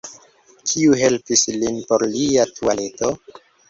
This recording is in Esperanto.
Kiu helpis lin por lia tualeto?